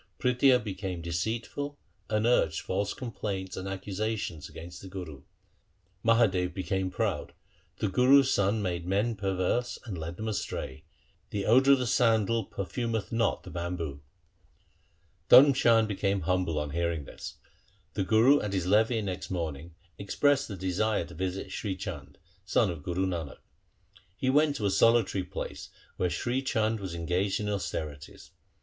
Prithia became deceitful and urged false complaints and accusations against the Guru. Mahadev became proud — the Gurus' sons made men per verse and led them astray. The odour of the sandal perfumeth not the bamboo. 1 Dharm Chand became humble on hearing this. The Guru at his levee next morning expressed a desire to visit Sri Chand, son of Guru Nanak. He went to a solitary place where Sri Chand was en gaged in austerities.